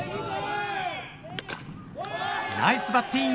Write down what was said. ナイスバッティング！